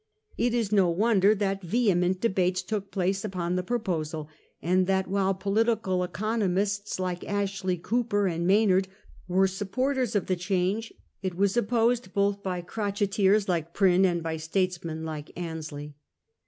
It is no wonder that vehement debates took place upon the proposal, and that while political economists like Ashley Cooper and Maynard were supporters of the change, it was opposed both by crotcheteers like Prynne, and by statesmen like Annesley.